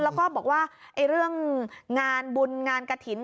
แล้วก็บอกว่าเรื่องงานบุญงานกระถิ่น